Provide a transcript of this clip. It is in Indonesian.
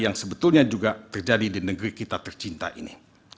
yang sebetulnya juga terjadi di negeri kita tercinta ini